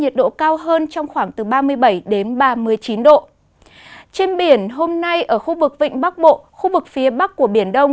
trên biển hôm nay ở khu vực vịnh bắc bộ khu vực phía bắc của biển đông